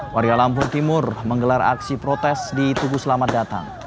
warga lampung timur menggelar aksi protes di tubuh selamat datang